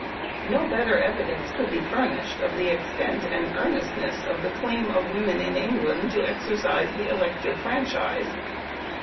No better evidence could be furnished of the extent and earnestness of the claim of women in England to exercise the elective franchise.